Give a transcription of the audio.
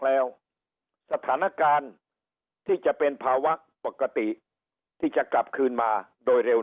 แล้วสถานการณ์ที่จะเป็นภาวะปกติที่จะกลับคืนมาโดยเร็ว